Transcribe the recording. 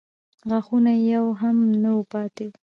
غاښونه یې يو هم نه و پاتې.